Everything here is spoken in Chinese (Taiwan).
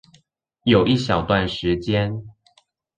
有一小段時間